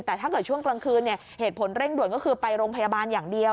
แต่ถ้าเกิดช่วงกลางคืนเหตุผลเร่งด่วนก็คือไปโรงพยาบาลอย่างเดียว